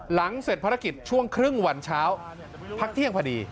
หลังเสร็จภารกิจช่วงครึ่งวันเช้าพักเที่ยงพอดี